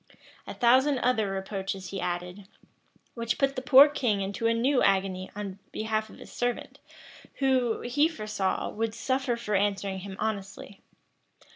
A thousand other reproaches he added, which put the poor king into a new agony in behalf of a servant, who, he foresaw, would suffer for answering him honestly.